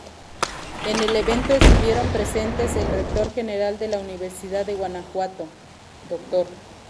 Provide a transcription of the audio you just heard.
En el evento estuvieron presentes el Rector General de la Universidad de Guanajuato, Dr.